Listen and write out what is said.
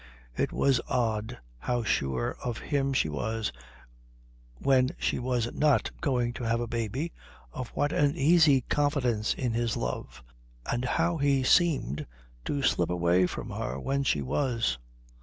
It was odd how sure of him she was when she was not going to have a baby, of what an easy confidence in his love, and how he seemed to slip away from her when she was.